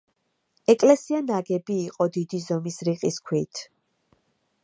ეკლესია ნაგები იყო დიდი ზომის რიყის ქვით.